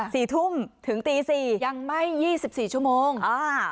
สี่ทุ่มถึงตีสี่ยังไหม้ยี่สิบสี่ชั่วโมงอ่า